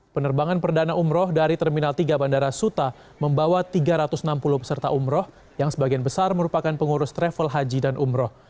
penerbangan perdana umroh dari terminal tiga bandara suta membawa tiga ratus enam puluh peserta umroh yang sebagian besar merupakan pengurus travel haji dan umroh